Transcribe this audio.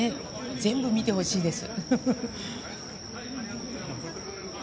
全部、見てほしいです。